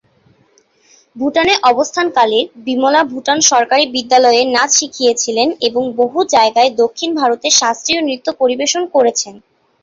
ভুটানে অবস্থানকালে, বিমলা ভুটান সরকারী বিদ্যালয়ে নাচ শিখিয়েছিলেন এবং বহু জায়গায় দক্ষিণ ভারতের শাস্ত্রীয় নৃত্য পরিবেশন করেছেন।